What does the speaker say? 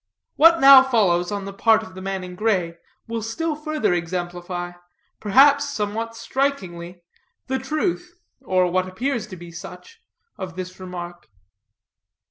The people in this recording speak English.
What now follows on the part of the man in gray will still further exemplify, perhaps somewhat strikingly, the truth, or what appears to be such, of this remark.